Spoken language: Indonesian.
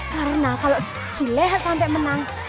karena kalau si leha sampai menang